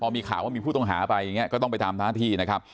มีข่าวว่ามีผู้ต้องหาไปอย่างนี้ก็ต้องไปทำหน้าที่นะครับ